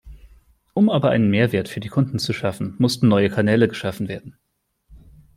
Um aber einen Mehrwert für die Kunden zu schaffen, mussten neue Kanäle geschaffen werden.